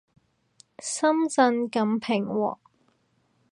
深圳咁平和